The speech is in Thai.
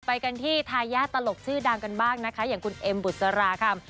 ไปกันที่ทายาทตลกชื่อดังกันบ้างนะคะอย่างคุณเอ็มบุษราคำ